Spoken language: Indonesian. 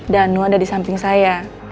danu ada disamping saya